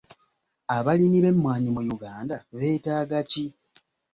Abalimi b'emmwanyi mu Uganda beetaaga ki?